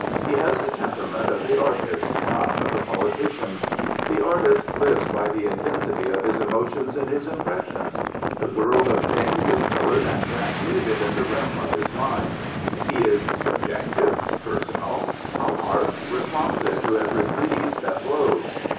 He has the temperament of the artist, not of the politician. The artist lives by the intensity of his emotions and his impressions. The world of things is coloured and transmuted in the realm of his mind. He is subjective, personal, a harp responsive to every breeze that blows.